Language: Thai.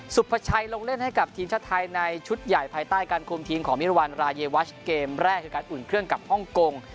พชัยลงเล่นให้กับทีมชาติไทยในชุดใหญ่ภายใต้การคุมทีมของมิรวรรณรายวัชเกมแรกคือการอุ่นเครื่องกับฮ่องกง